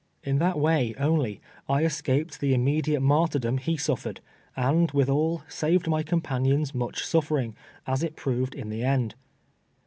In that way, only, I escaped the innncdiate martyrdom he sulfered, and, withal, saveil my companions much suftering, as it proved in the end.